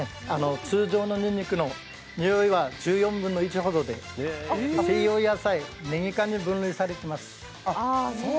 通常のにんにくの臭いは１４分の１ほどで西洋野菜、ネギ科に分類されています。